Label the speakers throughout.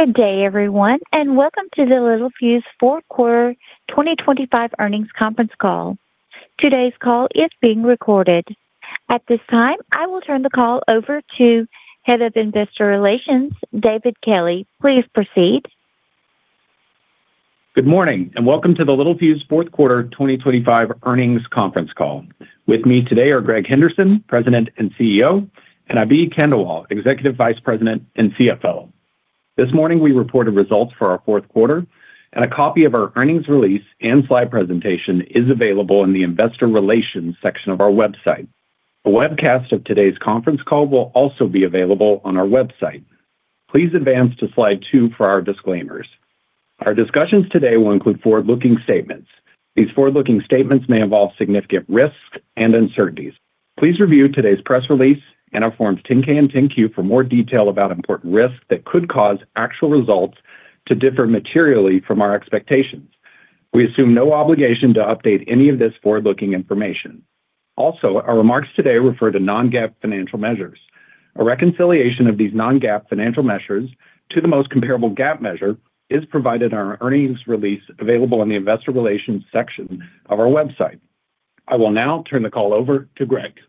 Speaker 1: Good day, everyone, and welcome to the Littelfuse Fourth Quarter 2025 Earnings Conference Call. Today's call is being recorded. At this time, I will turn the call over to Head of Investor Relations, David Kelley. Please proceed.
Speaker 2: Good morning, and welcome to the Littelfuse Fourth Quarter 2025 Earnings Conference Call. With me today are Greg Henderson, President and CEO, and Abhi Khandelwal, Executive Vice President and CFO. This morning, we reported results for our fourth quarter, and a copy of our earnings release and slide presentation is available in the Investor Relations section of our website. A webcast of today's conference call will also be available on our website. Please advance to slide two for our disclaimers. Our discussions today will include forward-looking statements. These forward-looking statements may involve significant risks and uncertainties. Please review today's press release and our Forms 10-K and 10-Q for more detail about important risks that could cause actual results to differ materially from our expectations. We assume no obligation to update any of this forward-looking information. Also, our remarks today refer to non-GAAP financial measures. A reconciliation of these non-GAAP financial measures to the most comparable GAAP measure is provided in our earnings release, available in the Investor Relations section of our website. I will now turn the call over to Greg.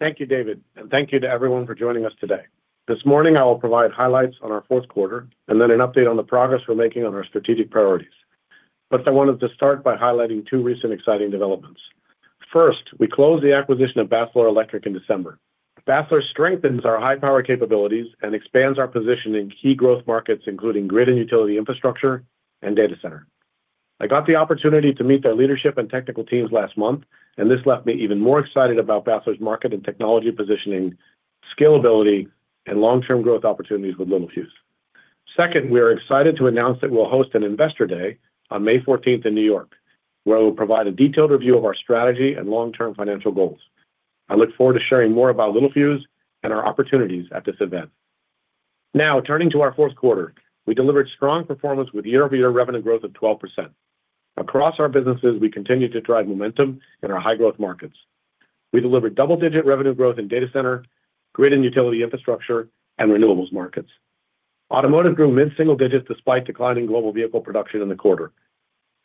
Speaker 3: Thank you, David, and thank you to everyone for joining us today. This morning, I will provide highlights on our fourth quarter and then an update on the progress we're making on our strategic priorities. But I wanted to start by highlighting two recent exciting developments. First, we closed the acquisition of Basler Electric in December. Basler strengthens our high-power capabilities and expands our position in key growth markets, including grid and utility infrastructure and data center. I got the opportunity to meet their leadership and technical teams last month, and this left me even more excited about Basler's market and technology positioning, scalability, and long-term growth opportunities with Littelfuse. Second, we are excited to announce that we'll host an Investor Day on May fourteenth in New York, where we'll provide a detailed review of our strategy and long-term financial goals. I look forward to sharing more about Littelfuse and our opportunities at this event. Now, turning to our fourth quarter, we delivered strong performance with year-over-year revenue growth of 12%. Across our businesses, we continued to drive momentum in our high-growth markets. We delivered double-digit revenue growth in data center, grid and utility infrastructure, and renewables markets. Automotive grew mid-single digits despite declining global vehicle production in the quarter.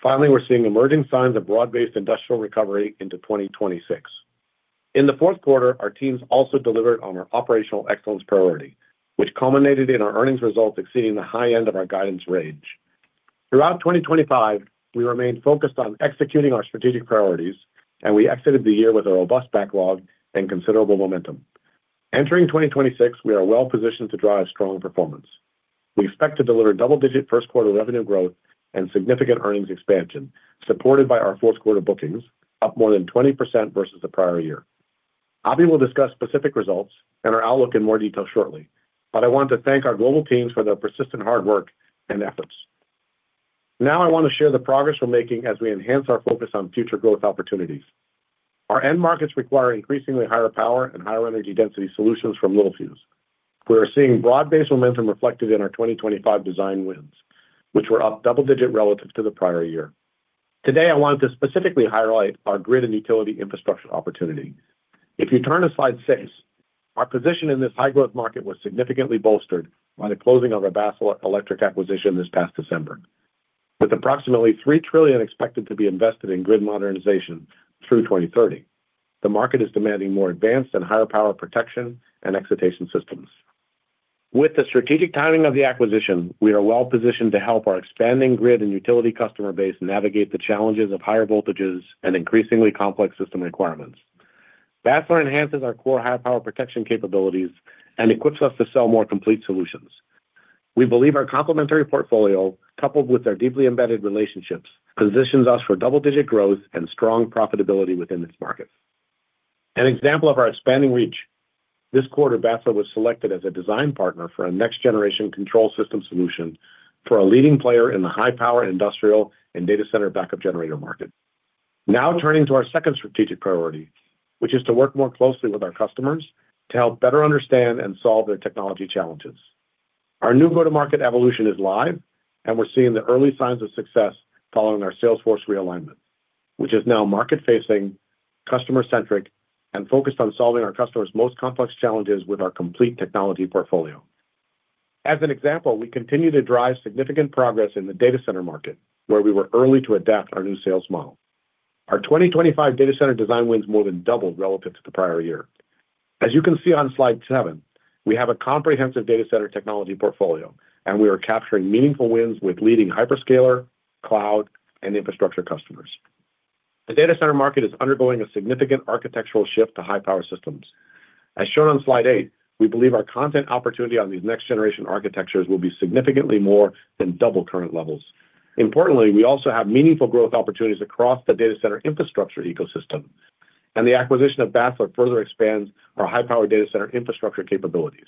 Speaker 3: Finally, we're seeing emerging signs of broad-based industrial recovery into 2026. In the fourth quarter, our teams also delivered on our operational excellence priority, which culminated in our earnings results exceeding the high end of our guidance range. Throughout 2025, we remained focused on executing our strategic priorities, and we exited the year with a robust backlog and considerable momentum. Entering 2026, we are well-positioned to drive strong performance. We expect to deliver double-digit first quarter revenue growth and significant earnings expansion, supported by our fourth quarter bookings, up more than 20% versus the prior year. Abhi will discuss specific results and our outlook in more detail shortly, but I want to thank our global teams for their persistent hard work and efforts. Now, I want to share the progress we're making as we enhance our focus on future growth opportunities. Our end markets require increasingly higher power and higher energy density solutions from Littelfuse. We are seeing broad-based momentum reflected in our 2025 design wins, which were up double-digit relative to the prior year. Today, I wanted to specifically highlight our grid and utility infrastructure opportunity. If you turn to slide six, our position in this high-growth market was significantly bolstered by the closing of our Basler Electric acquisition this past December. With approximately $3 trillion expected to be invested in grid modernization through 2030, the market is demanding more advanced and higher power protection and excitation systems. With the strategic timing of the acquisition, we are well-positioned to help our expanding grid and utility customer base navigate the challenges of higher voltages and increasingly complex system requirements. Basler enhances our core high-power protection capabilities and equips us to sell more complete solutions. We believe our complementary portfolio, coupled with our deeply embedded relationships, positions us for double-digit growth and strong profitability within this market. An example of our expanding reach, this quarter, Basler was selected as a design partner for a next-generation control system solution for a leading player in the high-power industrial and data center backup generator market. Now, turning to our second strategic priority, which is to work more closely with our customers to help better understand and solve their technology challenges. Our new go-to-market evolution is live, and we're seeing the early signs of success following our sales force realignment, which is now market-facing, customer-centric, and focused on solving our customers' most complex challenges with our complete technology portfolio. As an example, we continue to drive significant progress in the data center market, where we were early to adapt our new sales model. Our 2025 data center design wins more than doubled relative to the prior year. As you can see on slide seven, we have a comprehensive data center technology portfolio, and we are capturing meaningful wins with leading hyperscaler, cloud, and infrastructure customers. The data center market is undergoing a significant architectural shift to high-power systems. As shown on slide 8, we believe our content opportunity on these next-generation architectures will be significantly more than double current levels. Importantly, we also have meaningful growth opportunities across the data center infrastructure ecosystem, and the acquisition of Basler further expands our high-power data center infrastructure capabilities.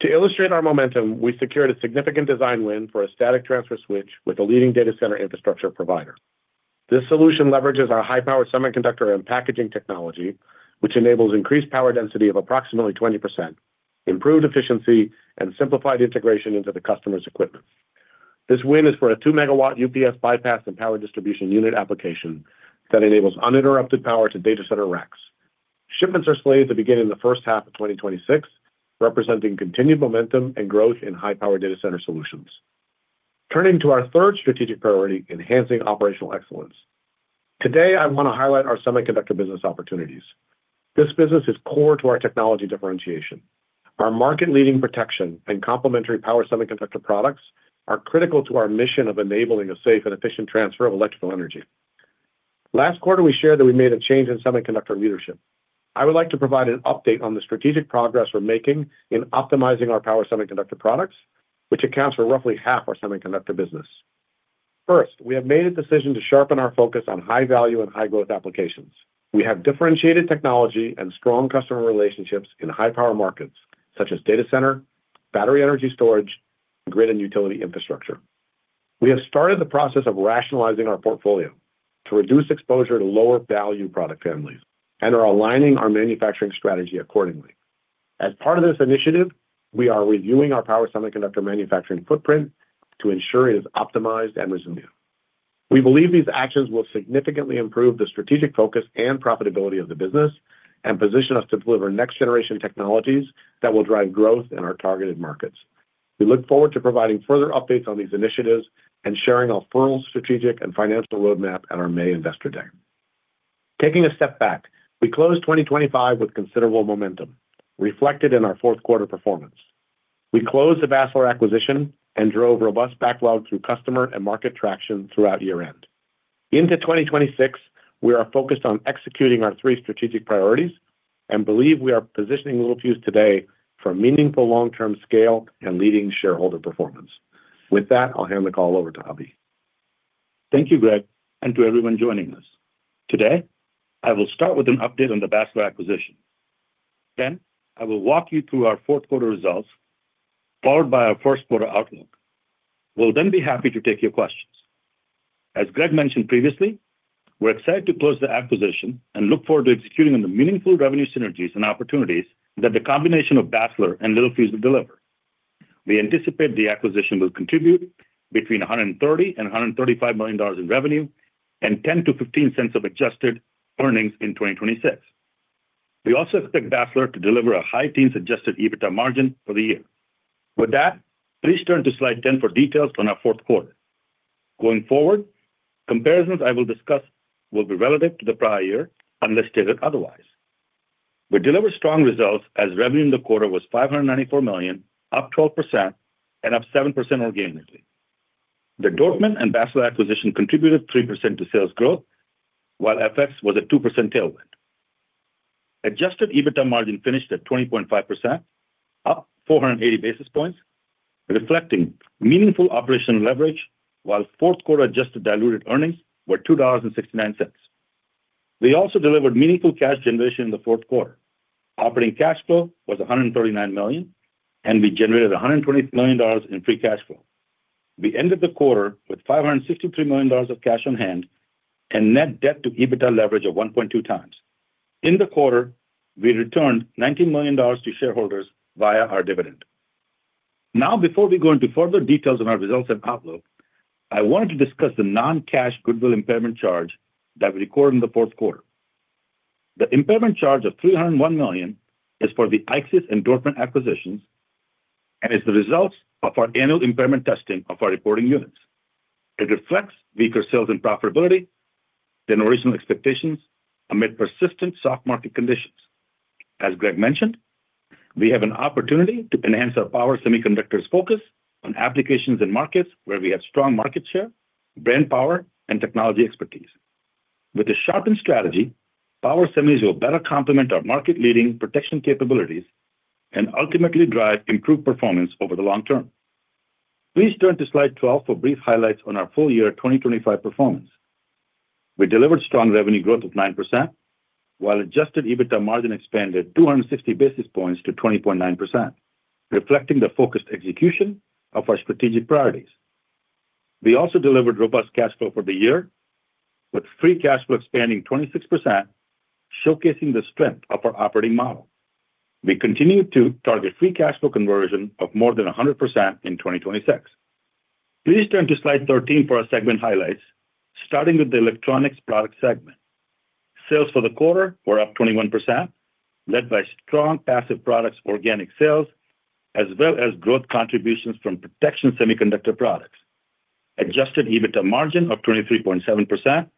Speaker 3: To illustrate our momentum, we secured a significant design win for a static transfer switch with a leading data center infrastructure provider. This solution leverages our high-power semiconductor and packaging technology, which enables increased power density of approximately 20%, improved efficiency, and simplified integration into the customer's equipment. This win is for a 2-MW UPS bypass and power distribution unit application that enables uninterrupted power to data center racks. Shipments are slated to begin in the first half of 2026, representing continued momentum and growth in high-power data center solutions. Turning to our third strategic priority, enhancing operational excellence. Today, I want to highlight our semiconductor business opportunities. This business is core to our technology differentiation. Our market-leading protection and complementary power semiconductor products are critical to our mission of enabling a safe and efficient transfer of electrical energy. Last quarter, we shared that we made a change in semiconductor leadership. I would like to provide an update on the strategic progress we're making in optimizing our power semiconductor products, which accounts for roughly half our semiconductor business. First, we have made a decision to sharpen our focus on high value and high growth applications. We have differentiated technology and strong customer relationships in high-power markets, such as data center, battery energy storage, grid and utility infrastructure. We have started the process of rationalizing our portfolio to reduce exposure to lower value product families and are aligning our manufacturing strategy accordingly. As part of this initiative, we are reviewing our power semiconductor manufacturing footprint to ensure it is optimized and resilient. We believe these actions will significantly improve the strategic focus and profitability of the business, and position us to deliver next generation technologies that will drive growth in our targeted markets. We look forward to providing further updates on these initiatives and sharing our full strategic and financial roadmap at our May Investor Day. Taking a step back, we closed 2025 with considerable momentum, reflected in our fourth quarter performance. We closed the Basler acquisition and drove robust backlog through customer and market traction throughout year-end. Into 2026, we are focused on executing our three strategic priorities and believe we are positioning Littelfuse today for meaningful long-term scale and leading shareholder performance. With that, I'll hand the call over to Abhi.
Speaker 4: Thank you, Greg, and to everyone joining us. Today, I will start with an update on the Basler acquisition. Then, I will walk you through our fourth quarter results, followed by our first quarter outlook. We'll then be happy to take your questions. As Greg mentioned previously, we're excited to close the acquisition and look forward to executing on the meaningful revenue synergies and opportunities that the combination of Basler and Littelfuse will deliver. We anticipate the acquisition will contribute between $130 million and $135 million in revenue, and 10-15 cents of adjusted earnings in 2026. We also expect Basler to deliver a high teens Adjusted EBITDA margin for the year. With that, please turn to slide 10 for details on our fourth quarter. Going forward, comparisons I will discuss will be relative to the prior year, unless stated otherwise. We delivered strong results as revenue in the quarter was $594 million, up 12%, and up 7% organically. The Dortmund and Basler acquisition contributed 3% to sales growth, while FX was a 2% tailwind. Adjusted EBITDA margin finished at 20.5%, up 480 basis points, reflecting meaningful operational leverage, while fourth quarter adjusted diluted earnings were $2.69. We also delivered meaningful cash generation in the fourth quarter. Operating cash flow was $139 million, and we generated $120 million in free cash flow. We ended the quarter with $563 million of cash on hand and net debt to EBITDA leverage of 1.2x. In the quarter, we returned $90 million to shareholders via our dividend. Now, before we go into further details on our results and outlook, I wanted to discuss the non-cash goodwill impairment charge that we recorded in the fourth quarter. The impairment charge of $301 million is for the IXYS and Dortmund acquisitions, and is the results of our annual impairment testing of our reporting units. It reflects weaker sales and profitability than original expectations amid persistent soft market conditions. As Greg mentioned, we have an opportunity to enhance our power semiconductors focus on applications and markets where we have strong market share, brand power, and technology expertise. With a sharpened strategy, power semis will better complement our market-leading protection capabilities and ultimately drive improved performance over the long term. Please turn to slide 12 for brief highlights on our full year 2025 performance. We delivered strong revenue growth of 9%, while Adjusted EBITDA margin expanded 260 basis points to 20.9%, reflecting the focused execution of our strategic priorities. We also delivered robust cash flow for the year, with free cash flow expanding 26%, showcasing the strength of our operating model. We continue to target free cash flow conversion of more than 100% in 2026. Please turn to slide 13 for our segment highlights, starting with the electronics product segment. Sales for the quarter were up 21%, led by strong passive products organic sales, as well as growth contributions from protection semiconductor products. Adjusted EBITDA margin of 23.7%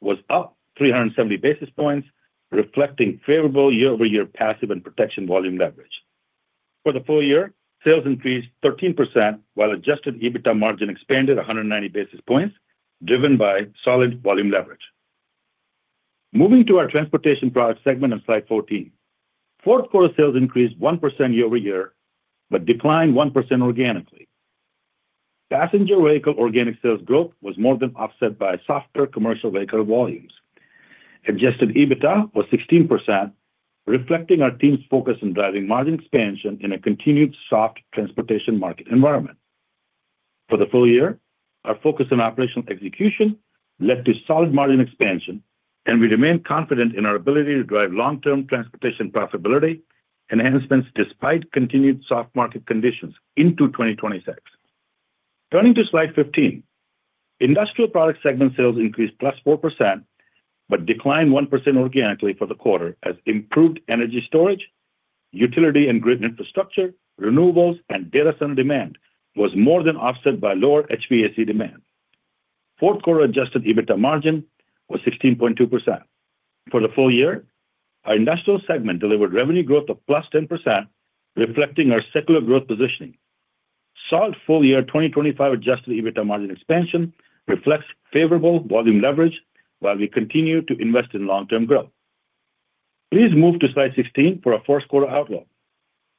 Speaker 4: was up 370 basis points, reflecting favorable year-over-year passive and protection volume leverage. For the full year, sales increased 13%, while Adjusted EBITDA margin expanded 190 basis points, driven by solid volume leverage. Moving to our transportation product segment on slide 14. Fourth quarter sales increased 1% year-over-year, but declined 1% organically. Passenger vehicle organic sales growth was more than offset by softer commercial vehicle volumes. Adjusted EBITDA was 16%, reflecting our team's focus on driving margin expansion in a continued soft transportation market environment. For the full year, our focus on operational execution led to solid margin expansion, and we remain confident in our ability to drive long-term transportation profitability enhancements despite continued soft market conditions into 2026.... Turning to slide 15, industrial products segment sales increased +4%, but declined 1% organically for the quarter, as improved energy storage, utility and grid infrastructure, renewables, and data center demand was more than offset by lower HVAC demand. Fourth quarter Adjusted EBITDA margin was 16.2%. For the full year, our industrial segment delivered revenue growth of +10%, reflecting our secular growth positioning. Solid full year 2025 Adjusted EBITDA margin expansion reflects favorable volume leverage, while we continue to invest in long-term growth. Please move to slide 16 for our first quarter outlook.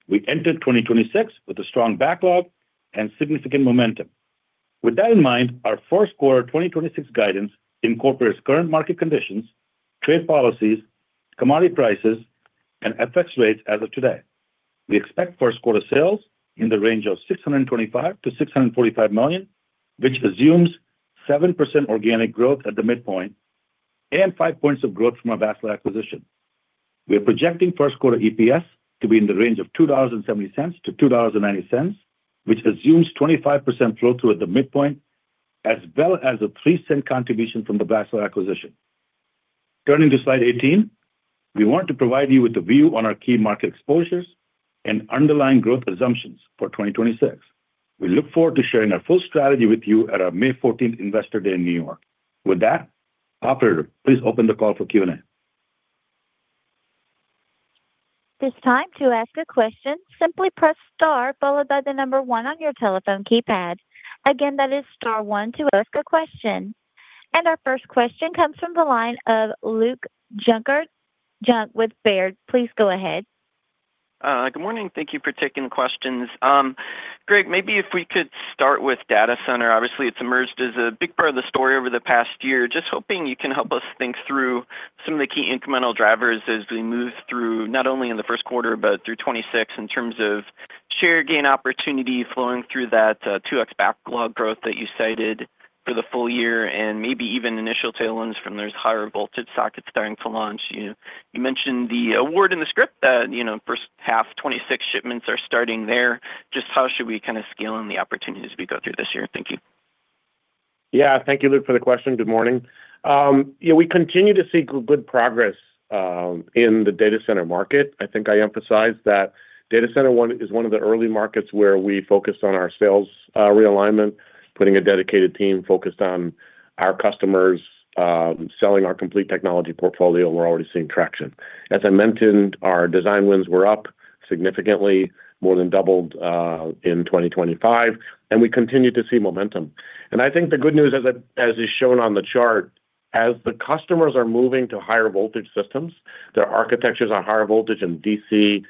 Speaker 4: We entered 2026 with a strong backlog and significant momentum. With that in mind, our first quarter 2026 guidance incorporates current market conditions, trade policies, commodity prices, and FX rates as of today. We expect first quarter sales in the range of $625 million-$645 million, which assumes 7% organic growth at the midpoint and five points of growth from our Basler acquisition. We are projecting first quarter EPS to be in the range of $2.70-$2.90, which assumes 25% flow through at the midpoint, as well as a 3-cent contribution from the Basler acquisition. Turning to slide 18, we want to provide you with a view on our key market exposures and underlying growth assumptions for 2026. We look forward to sharing our full strategy with you at our May fourteenth Investor Day in New York. With that, operator, please open the call for Q&A.
Speaker 1: It's time to ask a question. Simply press star followed by the number one on your telephone keypad. Again, that is star one to ask a question. Our first question comes from the line of Luke Junk with Baird. Please go ahead.
Speaker 5: Good morning. Thank you for taking the questions. Greg, maybe if we could start with data center. Obviously, it's emerged as a big part of the story over the past year. Just hoping you can help us think through some of the key incremental drivers as we move through, not only in the first quarter, but through 2026, in terms of share gain opportunity flowing through that 2x backlog growth that you cited for the full year, and maybe even initial tailwinds from those higher voltage sockets starting to launch. You mentioned the award in the script that, you know, first half 2026 shipments are starting there. Just how should we kind of scale in the opportunities we go through this year? Thank you.
Speaker 3: Yeah. Thank you, Luke, for the question. Good morning. Yeah, we continue to see good progress in the data center market. I think I emphasized that data center. One is one of the early markets where we focused on our sales realignment, putting a dedicated team focused on our customers, selling our complete technology portfolio, and we're already seeing traction. As I mentioned, our design wins were up significantly, more than doubled in 2025, and we continue to see momentum. And I think the good news, as is shown on the chart, as the customers are moving to higher voltage systems, their architectures are higher voltage in DC,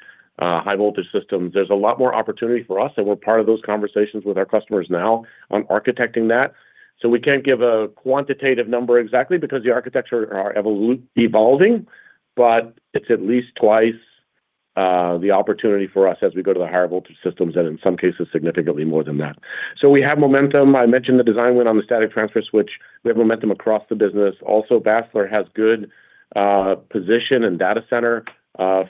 Speaker 3: high voltage systems. There's a lot more opportunity for us, and we're part of those conversations with our customers now on architecting that. So we can't give a quantitative number exactly because the architecture are evolving, but it's at least twice the opportunity for us as we go to the higher voltage systems, and in some cases, significantly more than that. So we have momentum. I mentioned the design win on the static transfer switch. We have momentum across the business. Also, Basler has good position in data center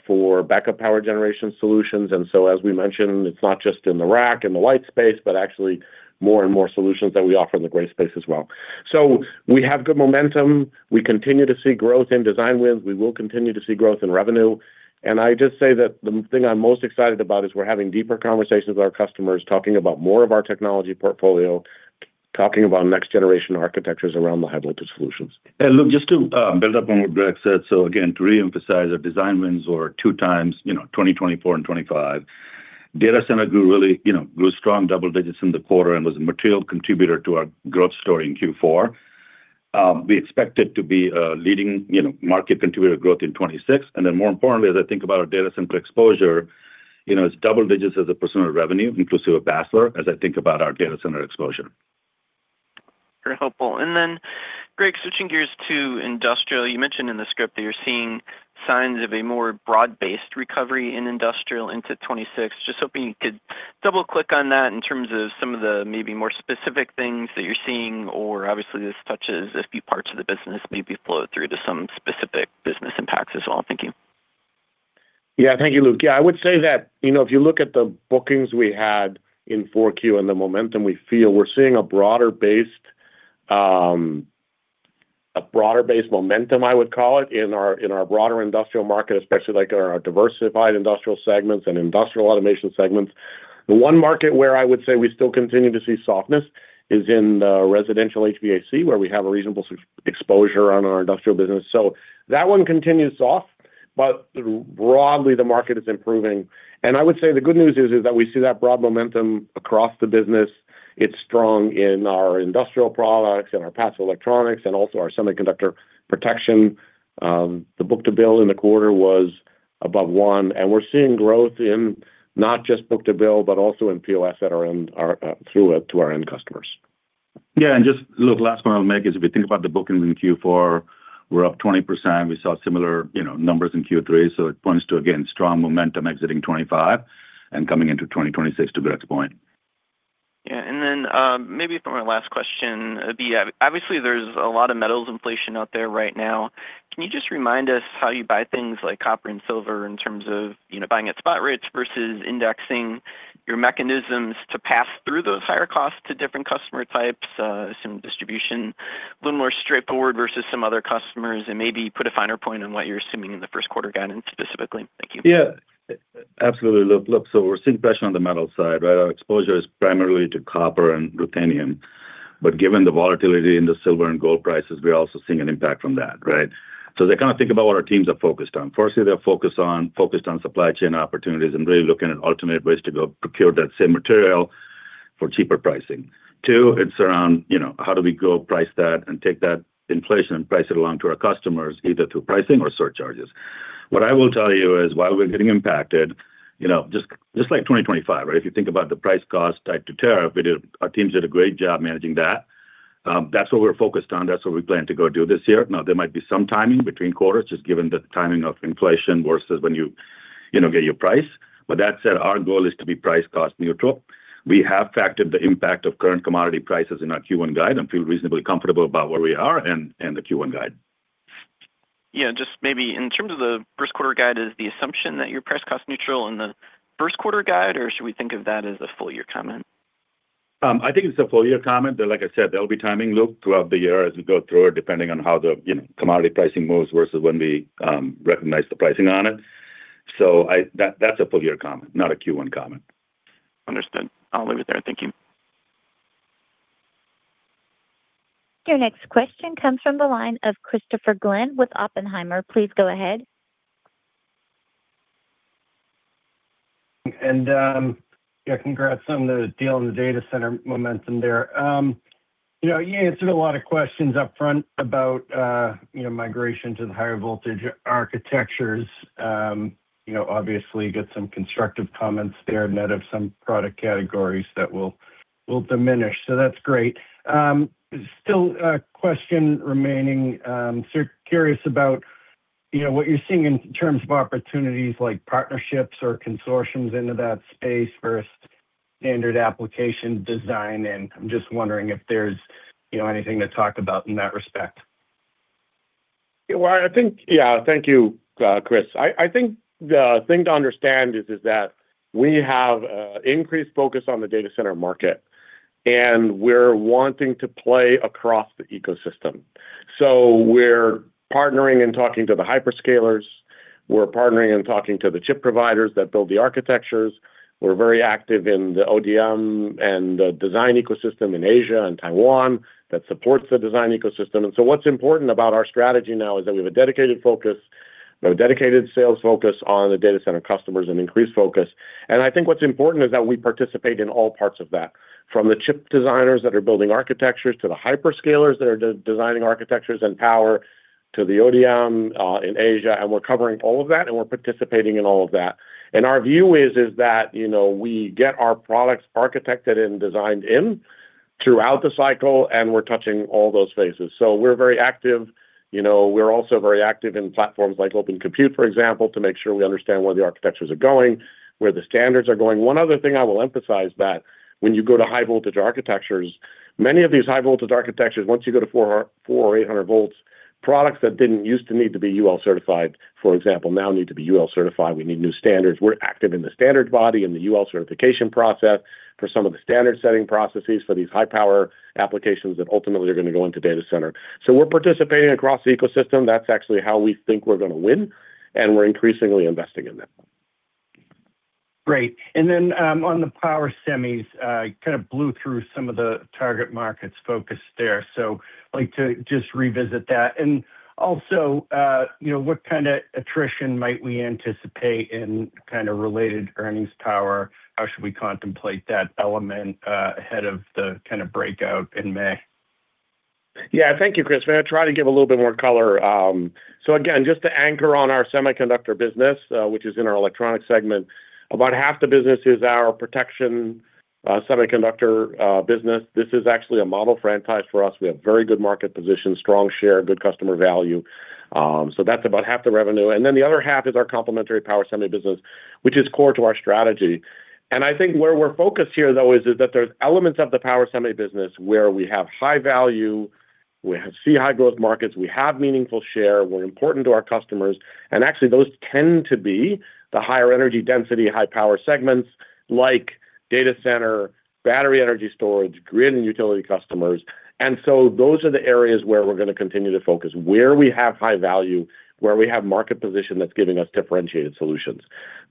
Speaker 3: for backup power generation solutions. And so, as we mentioned, it's not just in the rack and the white space, but actually more and more solutions that we offer in the gray space as well. So we have good momentum. We continue to see growth in design wins. We will continue to see growth in revenue. I just say that the thing I'm most excited about is we're having deeper conversations with our customers, talking about more of our technology portfolio, talking about next generation architectures around the high voltage solutions.
Speaker 4: Look, just to build up on what Greg said. So again, to reemphasize, our design wins were 2 times, you know, 2024 and 2025. Data center grew, really, you know, grew strong double digits in the quarter and was a material contributor to our growth story in Q4. We expect it to be a leading, you know, market contributor growth in 2026. And then more importantly, as I think about our data center exposure, you know, it's double digits as a % of revenue, inclusive of Basler, as I think about our data center exposure.
Speaker 5: Very helpful. And then, Greg, switching gears to industrial. You mentioned in the script that you're seeing signs of a more broad-based recovery in industrial into 2026. Just hoping you could double-click on that in terms of some of the maybe more specific things that you're seeing, or obviously, this touches a few parts of the business, maybe flow through to some specific business impacts as well. Thank you.
Speaker 3: Yeah. Thank you, Luke. Yeah, I would say that, you know, if you look at the bookings we had in Q4 and the momentum we feel, we're seeing a broader-based, a broader-based momentum, I would call it, in our, in our broader industrial market, especially like our diversified industrial segments and industrial automation segments. The one market where I would say we still continue to see softness is in the residential HVAC, where we have a reasonable substantial exposure on our industrial business. So that one continues soft, but broadly, the market is improving. And I would say the good news is, is that we see that broad momentum across the business. It's strong in our industrial products and our passive electronics and also our semiconductor protection. The book to bill in the quarter was above one, and we're seeing growth in not just book to bill, but also in POS at our own through to our end customers.
Speaker 4: Yeah, and just look, last point I'll make is, if you think about the bookings in Q4, we're up 20%. We saw similar, you know, numbers in Q3, so it points to, again, strong momentum exiting 2025 and coming into 2026, to Greg's point. ...
Speaker 5: Yeah, and then, maybe for my last question, it'd be, obviously, there's a lot of metals inflation out there right now. Can you just remind us how you buy things like copper and silver in terms of, you know, buying at spot rates versus indexing your mechanisms to pass through those higher costs to different customer types, some distribution, a little more straightforward versus some other customers, and maybe put a finer point on what you're assuming in the first quarter guidance, specifically? Thank you.
Speaker 4: Yeah, absolutely. Look, so we're seeing pressure on the metal side, right? Our exposure is primarily to copper and ruthenium, but given the volatility in the silver and gold prices, we're also seeing an impact from that, right? So they kind of think about what our teams are focused on. Firstly, they're focused on supply chain opportunities and really looking at alternate ways to go procure that same material for cheaper pricing. Two, it's around, you know, how do we go price that and take that inflation and price it along to our customers, either through pricing or surcharges? What I will tell you is, while we're getting impacted, you know, just like 2025, right? If you think about the price cost tied to tariff, we did—our teams did a great job managing that. That's what we're focused on. That's what we plan to go do this year. Now, there might be some timing between quarters, just given the timing of inflation versus when you, you know, get your price. But that said, our goal is to be price cost neutral. We have factored the impact of current commodity prices in our Q1 guide and feel reasonably comfortable about where we are in the Q1 guide.
Speaker 5: Yeah, just maybe in terms of the first quarter guide, is the assumption that you're price cost neutral in the first quarter guide, or should we think of that as a full year comment?
Speaker 4: I think it's a full year comment, but like I said, there'll be timing, look, throughout the year as we go through it, depending on how the, you know, commodity pricing moves versus when we recognize the pricing on it. So I... That, that's a full year comment, not a Q1 comment.
Speaker 5: Understood. I'll leave it there. Thank you.
Speaker 1: Your next question comes from the line of Christopher Glynn with Oppenheimer. Please go ahead.
Speaker 6: Yeah, congrats on the deal and the data center momentum there. You know, you answered a lot of questions upfront about, you know, migration to the higher voltage architectures. You know, obviously, you got some constructive comments there in net of some product categories that will diminish, so that's great. Still a question remaining. So curious about, you know, what you're seeing in terms of opportunities like partnerships or consortiums into that space versus standard application design, and I'm just wondering if there's, you know, anything to talk about in that respect.
Speaker 3: Well, I think... Yeah. Thank you, Chris. I think the thing to understand is that we have increased focus on the data center market, and we're wanting to play across the ecosystem. So we're partnering and talking to the hyperscalers. We're partnering and talking to the chip providers that build the architectures. We're very active in the ODM and the design ecosystem in Asia and Taiwan that supports the design ecosystem. And so what's important about our strategy now is that we have a dedicated focus, a dedicated sales focus on the data center customers and increased focus. I think what's important is that we participate in all parts of that, from the chip designers that are building architectures, to the hyperscalers that are designing architectures and power, to the ODM in Asia, and we're covering all of that, and we're participating in all of that. Our view is, is that, you know, we get our products architected and designed in throughout the cycle, and we're touching all those phases. So we're very active. You know, we're also very active in platforms like Open Compute, for example, to make sure we understand where the architectures are going, where the standards are going. One other thing I will emphasize that when you go to high voltage architectures, many of these high voltage architectures, once you go to 400 or 800 volts, products that didn't used to need to be UL certified, for example, now need to be UL certified. We need new standards. We're active in the standards body, in the UL certification process for some of the standard-setting processes for these high-power applications that ultimately are gonna go into data center. So we're participating across the ecosystem. That's actually how we think we're gonna win, and we're increasingly investing in that.
Speaker 6: Great. And then, on the power semis, you kind of blew through some of the target markets focused there. So I'd like to just revisit that. And also, you know, what kind of attrition might we anticipate in kind of related earnings power? How should we contemplate that element, ahead of the kind of breakout in May?
Speaker 3: Yeah. Thank you, Chris. I'm gonna try to give a little bit more color. So again, just to anchor on our semiconductor business, which is in our electronics segment, about half the business is our protection semiconductor business. This is actually a model franchise for us. We have very good market position, strong share, good customer value. So that's about half the revenue, and then the other half is our complementary power semi business, which is core to our strategy. And I think where we're focused here, though, is that there's elements of the power semi business where we have high value, we see high growth markets, we have meaningful share, we're important to our customers, and actually, those tend to be the higher energy density, high power segments like data center, battery energy storage, grid and utility customers. Those are the areas where we're gonna continue to focus, where we have high value, where we have market position that's giving us differentiated solutions.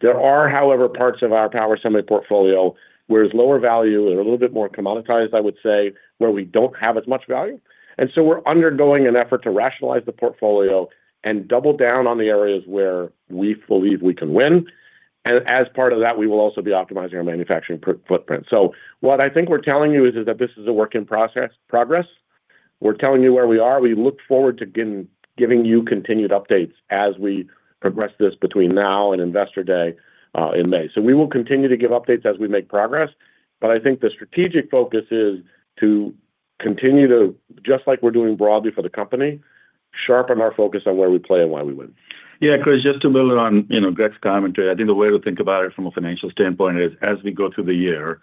Speaker 3: There are, however, parts of our power semi portfolio where it's lower value and a little bit more commoditized, I would say, where we don't have as much value. And so we're undergoing an effort to rationalize the portfolio and double down on the areas where we believe we can win. And as part of that, we will also be optimizing our manufacturing footprint. So what I think we're telling you is that this is a work in progress. We're telling you where we are. We look forward to giving you continued updates as we progress this between now and Investor Day in May. So we will continue to give updates as we make progress, but I think the strategic focus is to continue to, just like we're doing broadly for the company, sharpen our focus on where we play and why we win.
Speaker 4: Yeah, Chris, just to build on, you know, Greg's commentary, I think the way to think about it from a financial standpoint is as we go through the year,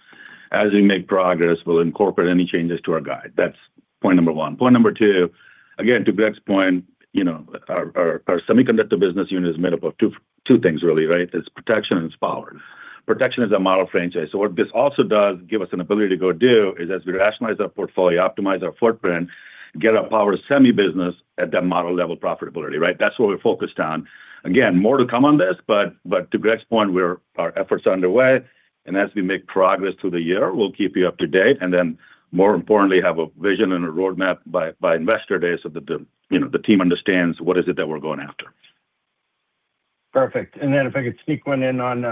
Speaker 4: as we make progress, we'll incorporate any changes to our guide. That's point number one. Point number two, again, to Greg's point, you know, our semiconductor business unit is made up of two things really, right? It's protection and it's power. Protection is a model franchise. So what this also does give us an ability to go do is, as we rationalize our portfolio, optimize our footprint, get our power semi business at that model level profitability, right? That's what we're focused on. Again, more to come on this, but to Greg's point, we're, our efforts are underway, and as we make progress through the year, we'll keep you up to date, and then, more importantly, have a vision and a roadmap by Investor Day so that the, you know, the team understands what is it that we're going after.
Speaker 6: Perfect. And then if I could sneak one in on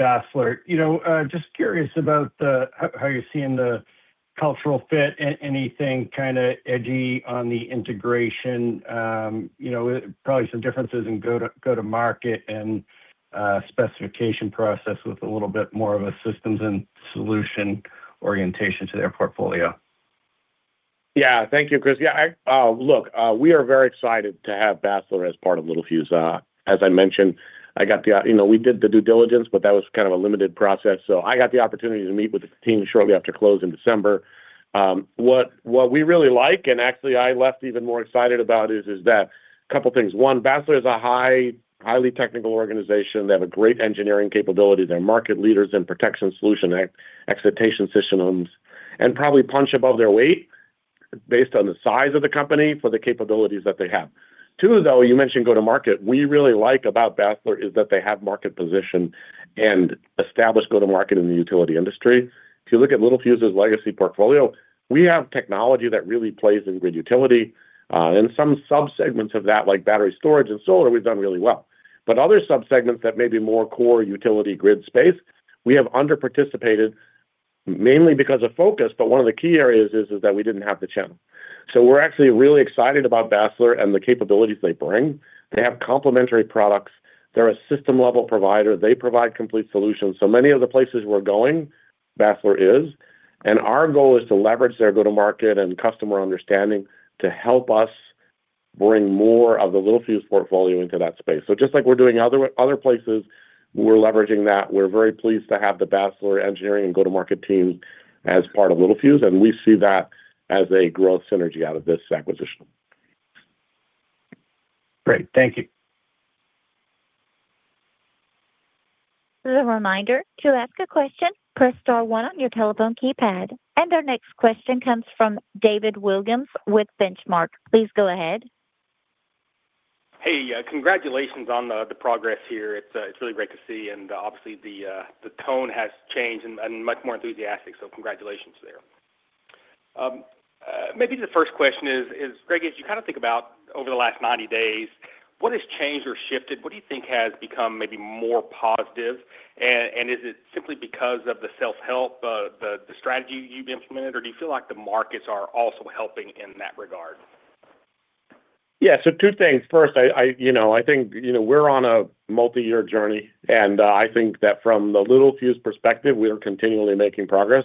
Speaker 6: Basler. You know, just curious about how you're seeing the cultural fit and anything kind of edgy on the integration. You know, probably some differences in go-to-market and specification process with a little bit more of a systems and solution orientation to their portfolio.
Speaker 3: Yeah. Thank you, Chris. Yeah, I look, we are very excited to have Basler as part of Littelfuse. As I mentioned, I got the, you know, we did the due diligence, but that was kind of a limited process, so I got the opportunity to meet with the team shortly after close in December. What we really like, and actually I left even more excited about, is that a couple things. One, Basler is a highly technical organization. They have a great engineering capability. They're market leaders in protection solution excitation systems, and probably punch above their weight based on the size of the company for the capabilities that they have. Two, though, you mentioned go to market. We really like about Basler is that they have market position and established go-to-market in the utility industry. If you look at Littelfuse's legacy portfolio, we have technology that really plays in grid utility, and some subsegments of that, like battery storage and solar, we've done really well. But other subsegments that may be more core utility grid space, we have under-participated, mainly because of focus, but one of the key areas is that we didn't have the channel. So we're actually really excited about Basler and the capabilities they bring. They have complementary products. They're a system-level provider. They provide complete solutions. So many of the places we're going, Basler is, and our goal is to leverage their go-to-market and customer understanding to help us bring more of the Littelfuse portfolio into that space. So just like we're doing other way - other places, we're leveraging that. We're very pleased to have the Basler engineering and go-to-market team as part of Littelfuse, and we see that as a growth synergy out of this acquisition.
Speaker 6: Great. Thank you.
Speaker 1: A reminder, to ask a question, press star one on your telephone keypad. Our next question comes from David Williams with Benchmark. Please go ahead.
Speaker 7: Hey, congratulations on the progress here. It's really great to see, and obviously, the tone has changed and much more enthusiastic, so congratulations there. Maybe the first question is, Greg, as you kind of think about over the last 90 days, what has changed or shifted? What do you think has become maybe more positive? And is it simply because of the self-help, the strategy you've implemented, or do you feel like the markets are also helping in that regard?
Speaker 3: Yeah, so two things. First, you know, I think, you know, we're on a multi-year journey, and I think that from the Littelfuse perspective, we are continually making progress.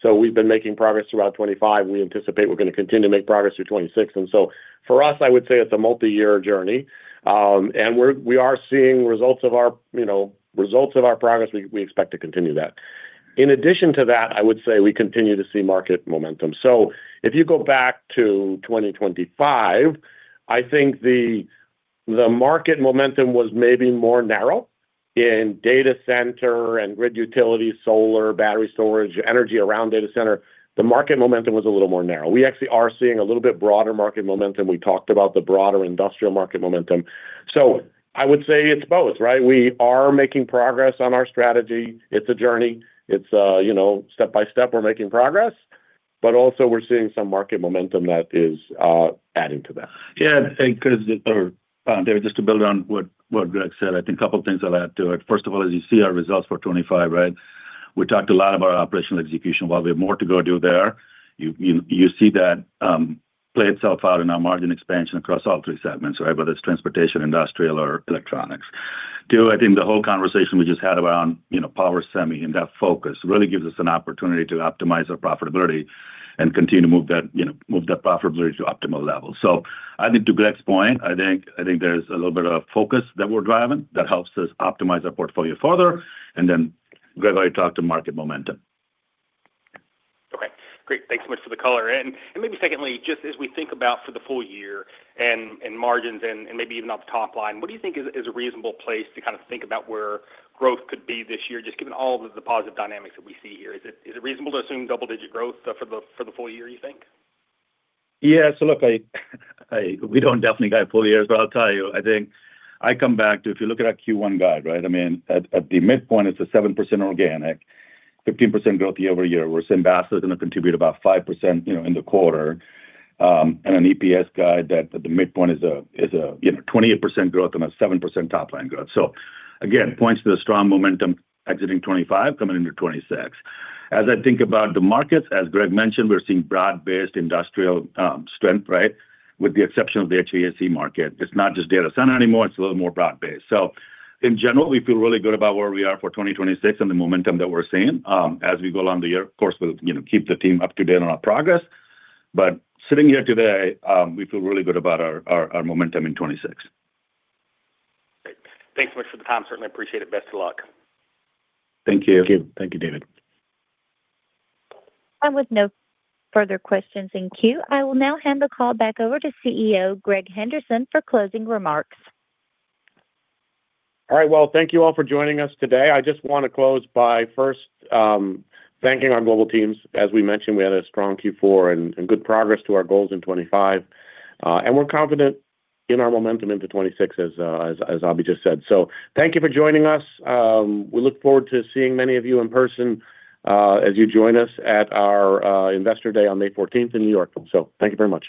Speaker 3: So we've been making progress throughout 2025, and we anticipate we're going to continue to make progress through 2026. So for us, I would say it's a multi-year journey. We are seeing results of our, you know, results of our progress. We expect to continue that. In addition to that, I would say we continue to see market momentum. So if you go back to 2025, I think the market momentum was maybe more narrow in data center and grid utility, solar, battery storage, energy around data center. The market momentum was a little more narrow. We actually are seeing a little bit broader market momentum. We talked about the broader industrial market momentum. So I would say it's both, right? We are making progress on our strategy. It's a journey. It's, you know, step by step, we're making progress, but also we're seeing some market momentum that is, adding to that.
Speaker 4: Yeah, and 'cause, David, just to build on what Greg said, I think a couple of things I'll add to it. First of all, as you see our results for 25, right? We talked a lot about operational execution. While we have more to go do there, you see that play itself out in our margin expansion across all three segments, right? Whether it's transportation, industrial, or electronics. Two, I think the whole conversation we just had around, you know, power semi and that focus, really gives us an opportunity to optimize our profitability and continue to move that, you know, move that profitability to optimal levels. So I think to Greg's point, I think there's a little bit of focus that we're driving that helps us optimize our portfolio further, and then Greg already talked to market momentum.
Speaker 7: Okay, great. Thanks so much for the color. And maybe secondly, just as we think about for the full year and margins and maybe even off the top line, what do you think is a reasonable place to kind of think about where growth could be this year, just given all the positive dynamics that we see here? Is it reasonable to assume double-digit growth for the full year, you think?
Speaker 4: Yeah. So look, I—we don't definitely guide full years, but I'll tell you, I think I come back to if you look at our Q1 guide, right? I mean, at the midpoint, it's a 7% organic, 15% growth year-over-year, where Basler is going to contribute about 5%, you know, in the quarter. And an EPS guide that the midpoint is a, you know, 28% growth and a 7% top line growth. So again, points to the strong momentum exiting 2025, coming into 2026. As I think about the markets, as Greg mentioned, we're seeing broad-based industrial strength, right? With the exception of the HVAC market. It's not just data center anymore, it's a little more broad-based. So in general, we feel really good about where we are for 2026 and the momentum that we're seeing. As we go along the year, of course, we'll, you know, keep the team up to date on our progress. But sitting here today, we feel really good about our momentum in 2026.
Speaker 7: Great. Thanks so much for the time. Certainly appreciate it. Best of luck.
Speaker 4: Thank you.
Speaker 3: Thank you, David.
Speaker 1: With no further questions in queue, I will now hand the call back over to CEO, Greg Henderson, for closing remarks.
Speaker 3: All right. Well, thank you all for joining us today. I just want to close by first thanking our global teams. As we mentioned, we had a strong Q4 and good progress to our goals in 2025. And we're confident in our momentum into 2026 as Abhi just said. So thank you for joining us. We look forward to seeing many of you in person, as you join us at our Investor Day on May 14th in New York. So thank you very much.